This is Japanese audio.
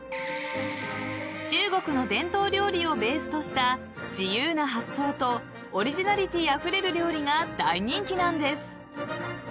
［中国の伝統料理をベースとした自由な発想とオリジナリティーあふれる料理が大人気なんです］